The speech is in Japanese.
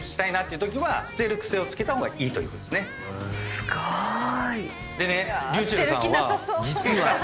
すごーい。